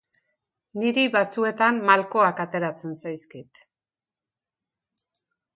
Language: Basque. Niri batzuetan malkoak ateratzen zaizkit.